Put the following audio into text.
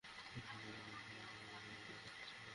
সড়ক পার হওয়ার সময় যশোর থেকে আসা একটি নছিমন তাকে চাপা দেয়।